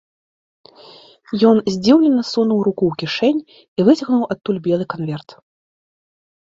Ён здзіўлена сунуў руку ў кішэнь і выцягнуў адтуль белы канверт.